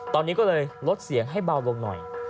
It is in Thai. ตอนนี้ก็เลยลดเสียงให้เบาลงหน่อย